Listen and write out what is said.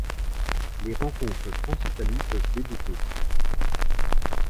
Les rencontres France-Italie peuvent débuter.